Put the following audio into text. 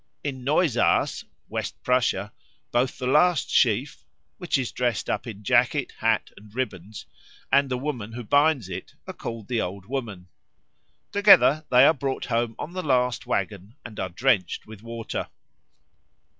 In Neusaass, West Prussia, both the last sheaf which is dressed up in jacket, hat, and ribbons and the woman who binds it are called the Old Woman. Together they are brought home on the last waggon and are drenched with water.